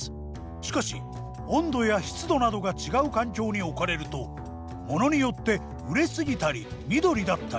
しかし温度や湿度などが違う環境に置かれるとモノによって熟れ過ぎたり緑だったり。